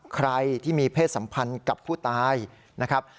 ใครที่มีเพศสัมพันธ์กับผู้ตายนะครับ